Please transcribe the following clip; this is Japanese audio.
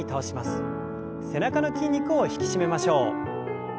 背中の筋肉を引き締めましょう。